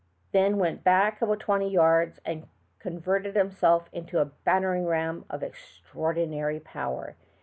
Then went baek about twent}^ yards and converted himself into a battering ram of extraor dinary power.